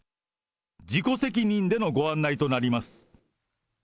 自己責任でのご案内となります。